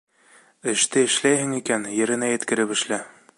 Эште эшләйһең икән, еренә еткереп эшлә.